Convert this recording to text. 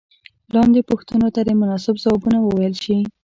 لاندې پوښتنو ته دې مناسب ځوابونه وویل شي.